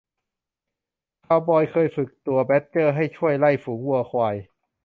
คาวบอยเคยฝึกตัวแบดเจอร์ให้ช่วยไล่ฝูงวัวควาย